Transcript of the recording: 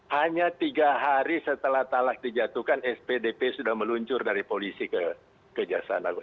hanya tiga hari setelah talak dijatuhkan spdp sudah meluncur dari polisi ke kejaksaan agung